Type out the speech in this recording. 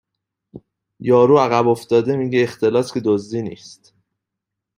یارو عقب افتاده میگه اختلاس که دزدی نیست